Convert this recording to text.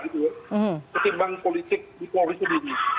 ketimbang politik di polri sendiri